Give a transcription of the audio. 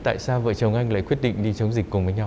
tại sao vợ chồng anh lại quyết định đi chống dịch cùng với nhau